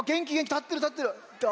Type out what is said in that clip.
たってるたってる！